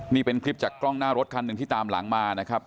นี่เป็นคลิปจากกล้องหน้ารถคันหนึ่งที่ตามหลังมานะครับ